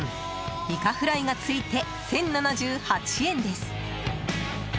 イカフライがついて１０７８円です。